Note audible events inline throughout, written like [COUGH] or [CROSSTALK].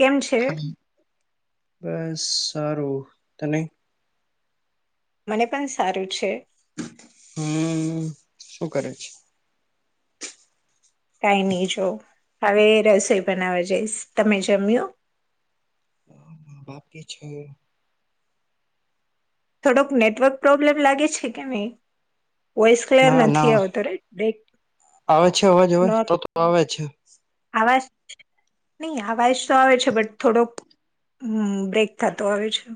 કેમ છે બસ સારું તને મને પણ સારું છે. હમ્મ શું કરે છે કાઈ નહી જો હવે રસોઈ બનાવા જઈશ તમે જમ્યુ બાકી છે થોડોક નેટવર્ક પ્રોબ્લેમ લાગે છે કે નહી વોઈસ ક્લયર ના નથી ના આવતો [UNINTELLIGIBLE] બ્રેક આવે છે અવાજ હવે તો તો આવે છે આવાજ નહી અવાજ તો આવે છે બટ થોડોક બ્રેક થતો આવે છે.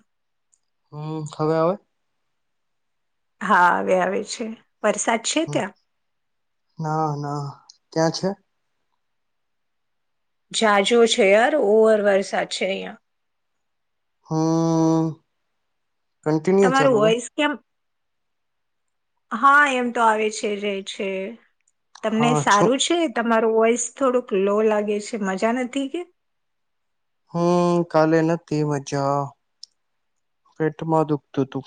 હમ્મ હવે આવે હા હવે આવે છે વરસાદ છે હમ ત્યાં ના ના ક્યાં છે જાજો છે યાર ઓવર વરસાદ છે અહ્યાં હમ્મ તમારું વોઇસ કેમ હા એમ તો આવે છે [UNINTELLIGIBLE] છે તમને હા છું સારું છે તમારું વોઈસ થોડુંક લો લાગે છે મજા નથી કે હમ્મ કાલે નથી મજા પેટમાં દુખતું તું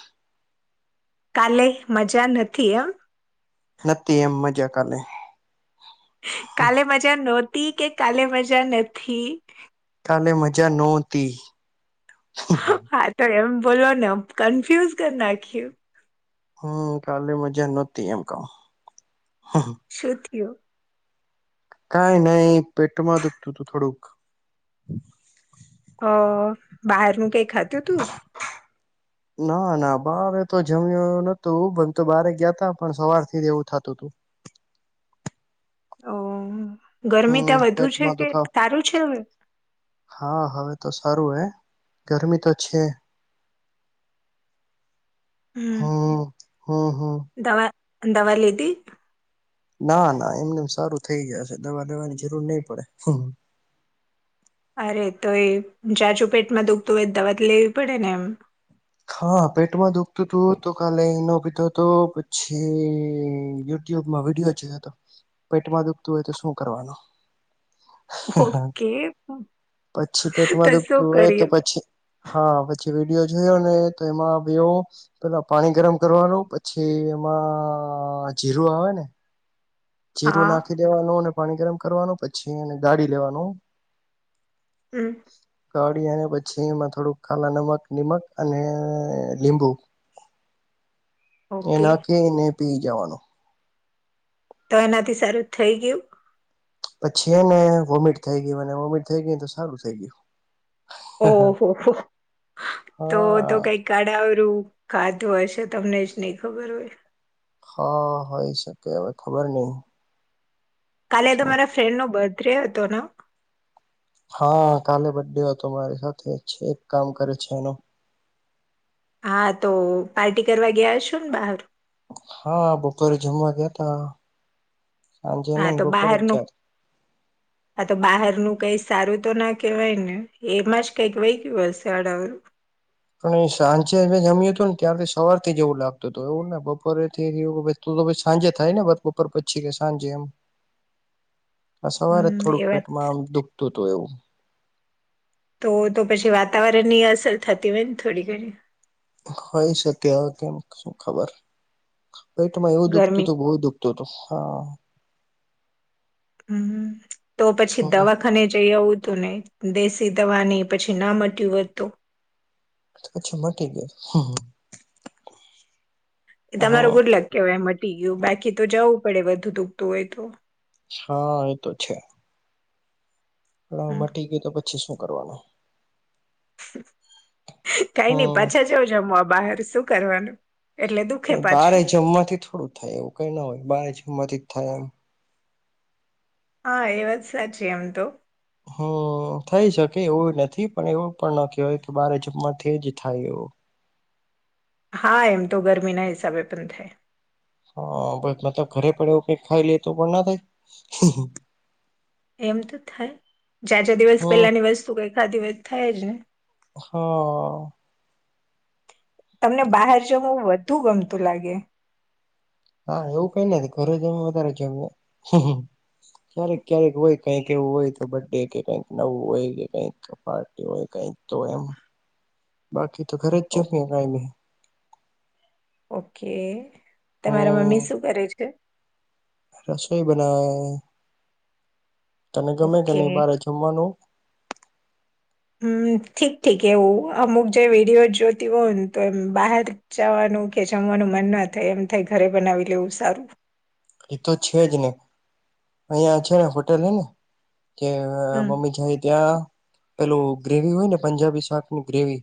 કાલે મજા નથી એમ નથી એમ મજા કાલે કાલે મજા નહોતી કે કાલે મજા નથી કાલે મજા નોતી હા તો એમ બોલવા ને કન્ફ્યુઝ કરી નાખીયું હમ્મ કાલે મજા નહતી એમ કવ શું થયું કાઈ નહી પેટમાં દુઃખતું તું થોડુંક અ બહારનું કઈ ખાધું તું [INAUDIBLE] ના ના બારે તો જમ્યું નતું પણ તો બારે ગયા તા પણ સવાર થી જ એવું થતુંતું અ ગરમી હમ ત્યાં વધુ છે પેટમાં કે દુખાવ સારું છે હવે હા હવે તો સારું હે ગરમી તો છે હમ હા હા હા દવા દવા લઘી ના ના એમનેમ સારું થઇ જાશે દવા દેવાની જરૂર નહી પડે [UNINTELLIGIBLE] અરે તોએ જાજુ પેટમાં દુખતું હોય દવાતો લેવી પડે ને એમ હા પેટમાં દુખતું હતું તો કાલે ઈનો પીધો હતો પછી યુટુબમાં વિડીયો જોયો તો પેટવા દુખતું હોય તો શું કરવાનું [UNINTELLIGIBLE] ઓકે પછી તો પેટમાં શું દુખતું હોય તો કર્યું પછી હા, પછી વિડીયો જોયો ને તો એમાં બેવ પેલા પાણી ગરમ કરવાનું પછી એમાં જીરું આવે ને જીરું હા નાખી દેવાનું અને પાણી ગરમ કરવાનું પછી એને ગાળી લેવાનું હમ્મ કળી અને પછી એમાં થોડુંક ખાલા નમક નિમક અને [UNINTELLIGIBLE] લીબુ એ ઓકે નાખીને પી જવાનું તો એનાથી સારું થઈ ગયું પછી એને વોમિટ થઈ ગયું અને વોમિટ થઈ ગય તો સારું થઈ ગયું ઓહો હો તો તો હા કઈક કાડાવરું ખાતું હશે તમને જ નહ ખબર હોય હા હોઈ શકે હવે ખબર નહી કાલે તો મારા ફ્રેન્ડ નો બર્થડે હતો ને હા કાલે બર્થડે હતો મારી સાથે છે એક કામ કરે છે એનું હા તો પાર્ટી કરવા ગયા છો ને બહાર હા બપોરે જમવા ગયા ત સાંજે હા નહી બપોરે જ જાતા [INAUDIBLE] આ તો બહાર નું કઈ સારું તો ના કહેવાય ને એમાં જ કઈક વહી ગયું હશે અડાવરું પણ એ સાંજે મે જમ્યું હતું ને ત્યારથી સવાર થી એવું લાગતું હતું એવું ને બપોરે થી એવું તો તો ભ સાંજે થાય ને વાત બપર પછી કે સાંજે એમ આ સવારે હમ થોડુંક એ વાત પેટમાં આમ દુખતું હતું એવું તો તો પછી વાતાવરણ ની અસર થતી હોય ને થોડી ઘણી, હોય શકે કેમ શું ખબર પેટમાં એવું દુખતું ગરમી હતુ બહુ દુખું તો તો [UNINTELLIGIBLE] હમ્મ તો પછી હમ દવા ખને જઈ આવું હતું ને દેશી દવાની પછી ના મટ્યું વધતું પછી મટી ગયું [UNINTELLIGIBLE] હ તમારું ગુટલક કેહેવાય એ મટી ગયું બાકી તો જવું પડે વધુ દૂખતું હોય તો હા એતો છે લાવ હમ મટી ગય તો પછી શું કરવાનું કઈ નઈ હમ પાછા જવં જમવા બહાર શું કરવાનું એટલે દુખે બારે પાછું જમવાથી થોડું થાય એવું કઈ ના હોય બારે જમવાથી જ થાય એમ હા, એ વાત સાચી આમ તો, હ થઈ શકે એવું નથી, પણ એવું પણ ન કહેવાય કે બારે જમવાથી જ થાય એવ. હા, એમ તો ગરમી ના હિસાબે પણ થાય હા બ મતલબ ઘરે પણ એવું કઈક ખાઈ લેતું પણ ના થાય. એમ તો થાય જા જા દિવસ હમ પહેલાની વસ્તુ કઈખા દિવસ થાય જ ને, હ તમને બહાર જવું વધુ ગમતું લાગે, હા, એવું કઈ નથી ઘરે જમે વધારે જમ [INAUDIBLE] ક્યારેક ક્યારેક હોય કઈક એવું હોય તો બર્ડે કે કઈક નવું હોય કે કઈક પાર્ટ- એ હોય કઈક તો એમ બાકી તો ખરે જ છે ઓ- ને કઈ નહી ઓકે તમારા મમ્મી હમ શું કરે છે. રસોઈ બનાવે તને ગમે કે ઓકે નહી બારે જમવાનું હમ ઠીક ઠીક એવું અમુક જે વિડીિયો જોતી હોય ને તો એમ બહાર જવાનું કે જમવાનું મન ના થાય એમ થાય ઘરે બનાવી લેવું સારું એતો છે જ ને અહીંયા છે ને હોટેલ ને કે હમ મમ્મી જાય ત્યાં પેલું ગ્રેવી હોય ને પંજાબી શાકની ગ્રેવી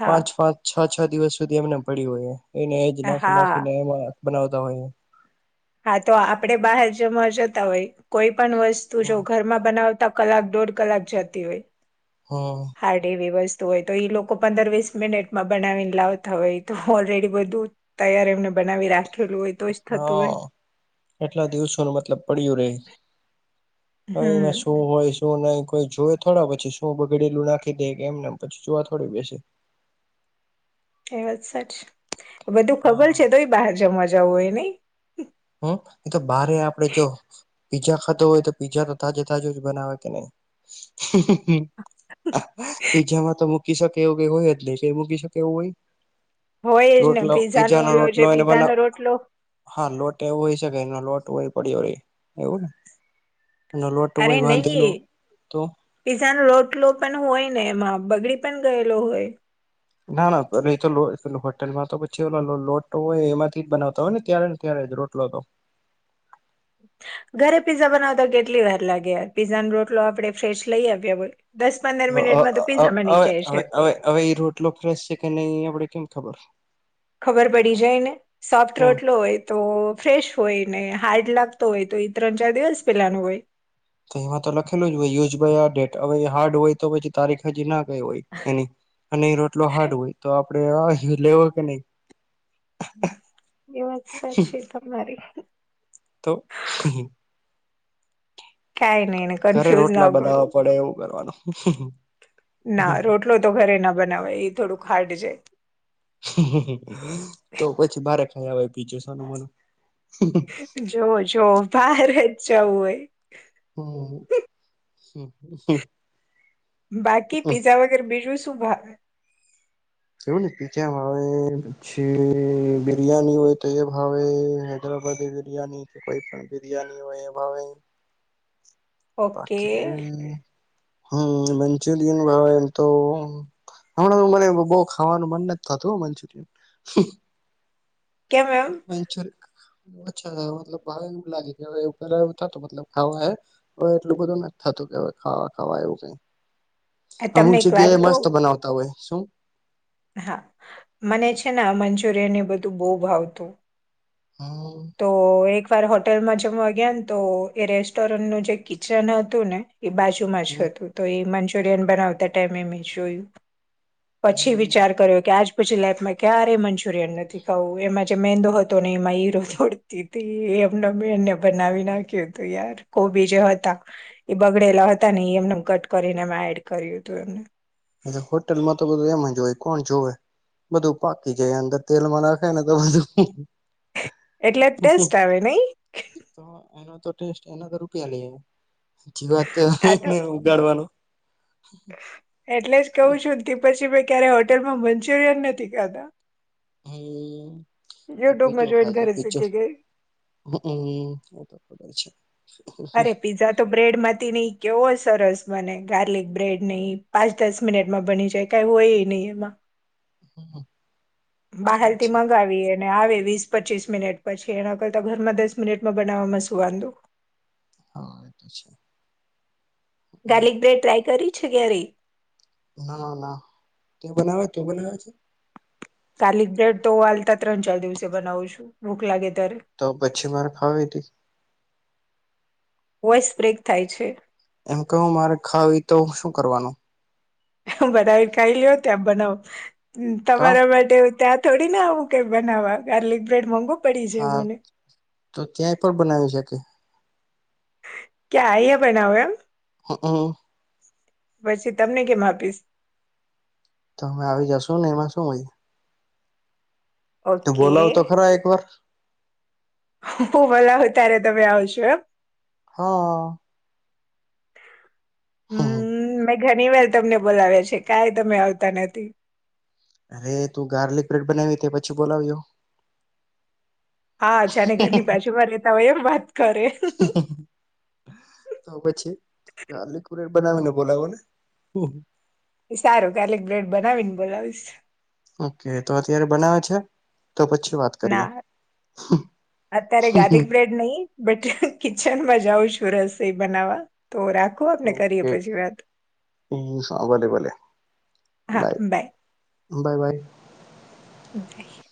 હા પાંચ પાંચ છ છ દિવસ સુધી એમને પડી્યું હોય એને જ નાખ હા નાખીને એ બનાવતા હોય હા તો આપડે બહાર જવા જતા હોય કોઈ પણ વસ્તુ જો હમ ઘરમાં બનાવતા કલાક દોઢ કલાક જતી હોય હા હાર્ડ એવી વસ્તુ હોય તો એ લોકો પંદર વીસ મિનિટમાં બનાવીને લાવતા હોય તો ઓલરેડી બધું તૈયાર એમને બનાવી રાખેલું હોય તો જ થતું હોય હા કેટલા દિવસો ન મતલબ પડ્યું રે હ એમાં હમ શું હોય શું નહી કોઈ જોવે થોડા પછી શું બગડેલું નાખી દે કેમનેમ પછી જોવા થોડી બેસે પછી એ વાત સાચી બધું ખબર છે તોય બહાર જમવા જવું હોય નહીં હમ એ તો બારે આપડે જો. પીઝા ખાતો હોય તો પીઝા તો તાજે તાજો જ બનાવે કે નહી પીઝામાં તો મૂકી શકે એવું કે હોય જ નહી કે મૂકી શકે એવું હોય હોય જ ને રોટલો પીઝા નો પીજાનોો ઓલો જે રોટલો એને પીઝા બનાવ નો રોટલો હા લોટ એવું હોય શકે એ લોટ હોય પડ્યો ર એવું ને એનો લોટ અરે હોય બાંધેલો નહી તો પીજા ન રોટલો પણ હોય ને એમાં બગડી પણ ગયેલો હોય ના ના એ તો હોટેલમાં તો પછી લોટો હોય એમાંથી જ બનાવતા હોય ને ત્યારે અત્યારે જ રોટલો તો હ [INAUDIBLE] ઘરે પીઝા બનાવતા કેટલી વાર લાગે યાર પીઝા નો રોટલો આપણેે ફેશ લઈ આવ્યા દસ પંદર મિનિટમાં તો પીઝામાં નીચે છે વેવેવે હવે એ રોટલો ફ્રેશ છે કે નહી આપણેે કેમ ખબર ખબર પડી જાય ને સોફ્ટ કેમ રોટલો હોય તો ફ્રેશ હોય ને હાર્ડ લાગતો હોય તો એ ત્રણ ચાર દિવસ પેલા ન હોય તો એમાં તો લખેલું જ હોય યુઝાઈ આ ડેટ હવે હાર્ડ હોય તો પછી તારીખ હજી ના હો એ અને રોટલો હાર્ડ હોય તો આપડે લેવો કે નહી એ વાત સાચી તમારી તો [UNINTELLIGIBLE] કાઈ નઈ ને ઘરે કન્ફ્યુઝ ના રોટલા કરો બનાવા પડે એવું કરવાનું ના રોટલો તો ઘરે ના બનાવય એ થોડુંક હાર્ડ છે. તો પછી બારે ખાઇ આવય છાનો-માનો જો જોવો જોવો હહારે જવું હોઈ બાકી પીઝા હમ બીજું શું ભાવે જેવું ને પીજામાં આવે પછી બિરિયાની હોય તો એ ભાવે હૈદરાબાદી બિરિયાની કે કોઈ પણ બિરિયાની હોય એવા હોય ઓકે બાકી હમ મંચુરયન ભાવે એમ તો. હમણાં તો મને બઉ ખાવાનું મન નથી થાતું મંચુરિયન. કેમ એમ મંચર અછલબ [UNINTELLIGIBLE] તો મતલબ ખાવાહે હવે એટલું બધું નથી થતું કે હવે ખાવા ખાવા એવું કઈ તમને અમુક એક વાત જગ્યા એ મસ્ત કહું બનાવતા હોય શું. હા મને છે મંચુરિયનને બધું બઉ ભાવતું. હમ તો એક વાર હોટેલમાં જમવા ગયા ને તો એ રેસ્ટોરન્ટનું જે કિચન હતું ને એ બાજુમાં હમ જ હતું તો એ મંચુરિયન બનાવતા ટાઈમે મેં જોયું. પછી હમ વિચાર કર્યો કે આજ. પછી લાઈફમાં ક્યારેય મંચુરિયન નથી ખાવું એમાં જે મેંદો હતો ને એમાં હીરો. ફોડતી હતી એમને બેને બનાવી નાખ્યું હતું યાર કોબી જે હતા. એ બગડેલા હતા ને એ એમને કટ કરીને એ એડ કર્યું હતું એમને. હોટલમાં તો બધું એમ જ હોય કોણ જોવે. બધું પાકી જાય અંદર તેલમાં નાખાય ને તો બધું. એટલે ટેસ્ટ આવે નઈ. તો એનો તો ટેસ્ટ, એનો તો રૂપિયા લેઈ આયવો, હાચી વાત આ તો જાળવાનું એટલે જ કહું છું કે પછી મે ક્યારે હોટેલમાં મંચુરિયન નથી ખાધા. હમ યુટ્યુબમાં જોઈન કરી શકીએ કે હ, હમ, એતો ખબર છે. અરે પિઝા તો બ્રેડ માંથી નઈ, કેવો સરસ બને ગાર્લિક બ્રેડ નઈ, પાંચ-દસ મિનિટમાં બની જાય. એવુ હોયે નઈ એમાં. હમ, બાહારથી મંગાવીએ અને આવે વીસ-પચ્ચીસ મિનિટ પછી એના કરતા ઘરમાં દસ મિનિટમાં બનાવામાં શું વાંધો. હ, એ તો છે. ગાર્લિક બ્રેડ ટ્રાય કરી છે કયારે? ના, ના, કેવું બનાવે? કેવું બનાવે છે? ગાર્લિક બ્રેડ તો હાલતા ત્રણ-ચાર દિવસે બનાવું છું, ભૂખ લાગે ત્યારે. તો પછી મારે ખાવી હતી? વોઈસ બ્રેક થાય છે. એમ કહું, મારે ખાવી તો શું કરવાનું? બધાએ ખાઈ લઈઓ ત્યાં બનાવું, કા તમારા માટે હું ત્યાં થોડીના આવું કઈ બનાવવા, ગાર્લિક બ્રેડ મોંઘો પડી જાય હા મને. તો ત્યાંય પણ બનાવી શકે. ક્યાં? યે બનાવું એમ? હમ, પછી તમને કેમ આપીશ? ત અમે આવી જાશું ને એમાં શુ હોય તો ઓકે બોલાવો તો ખરા એક વાર હું બોલાવું ત્યારે તમે આવશો એમ? હ. હમ, મેં ઘણી વાર તમને બોલાવ્યા છે, કાઈ તમે આવતા નથી. અરે તું ગાર્લિક બ્રેડ બનાવી તે પછી બોલાવ જો. હા, જાને ઘરની બાજુમાં રેતા ઓય એમ વાત કરે. તો પછી, ગાર્લિક બ્રેડ બનાવીને બોલાવો ને. એ સારું ગાર્લિક બ્રેડ બનાવી ને બોલાવીશ. ઓકે તો અત્યારે બનાવે છે, તો પછી વાત કરીએ ના, અત્યારે ગાર્લિક બ્રેડ નઈ, બેટે કિચનમાં જાઉં છું રસોઈ બનાવવા થોડાક ઓકે, હ ભલે-ભલે. Bye, bye bye. બાય,